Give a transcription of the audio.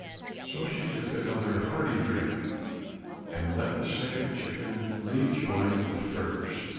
So she took another hearty drink, and let the second chicken rejoin the first.